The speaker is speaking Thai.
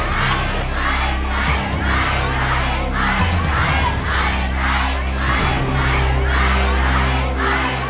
ไม่ใช้ไม่ใช้